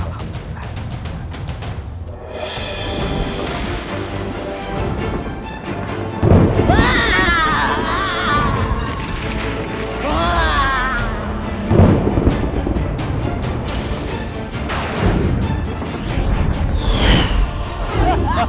apabila kamu melakukan yang terlalu hebat